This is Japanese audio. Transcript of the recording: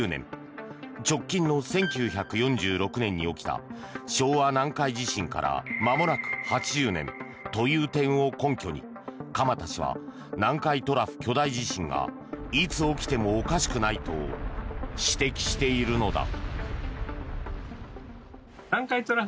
直近の１９４６年に起きた昭和南海地震からまもなく８０年という点を根拠に鎌田氏は南海トラフ巨大地震がいつ起きてもおかしくないと指摘しているのだ。